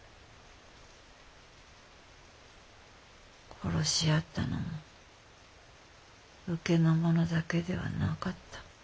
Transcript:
殺し合ったのは武家のものだけではなかった。